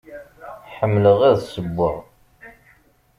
Ḥemmleɣ ad ssewweɣ.